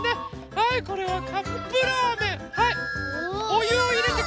はいこれはカップラーメン。